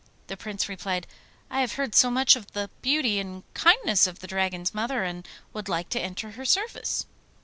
The Prince replied, 'I have heard so much of the beauty and kindness of the Dragon's Mother, and would like to enter her service.